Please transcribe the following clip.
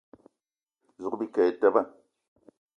Zouga bike e teba.